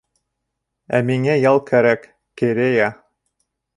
Ә миңә ял кәрәк, Керея.